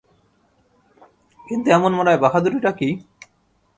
কিন্তু, এমন মরায় বাহাদুরিটা কী।